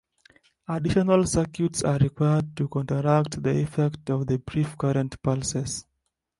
Additional circuits are required to counteract the effect of the brief current pulses.